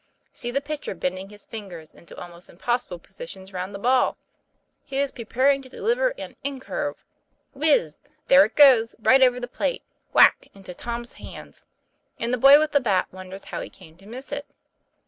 See the pitcher, bending his fingers into almost impossible positions round the ball ! He is preparing to deliver an " in curve. " Whiz! there it goes, right over the plate, whack! into Tom's hands; and the boy with the bat wonders how he came to miss it.